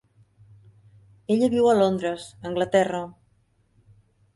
Ella viu a Londres, Anglaterra.